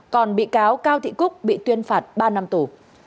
còn bị cáo cao thị cúc bị tuyên phạt ba năm tù